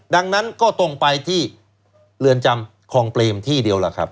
ดังนั้นก็ต้องไปที่เรือนจำคลองเปรมที่เดียวล่ะครับ